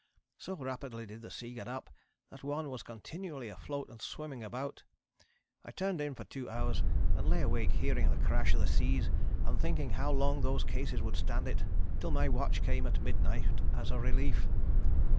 So rapidly did the sea get up that one was continually afloat and swimming about. I turned in for 2 hours and lay awake hearing the crash of the seas and thinking how long those cases would stand it, till my watch came at midnight as a relief.